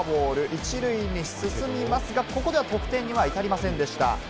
１塁に進みますが、ここでは得点には至りませんでした。